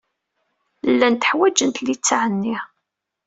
Llant ḥwaǧent litteɛ-nni.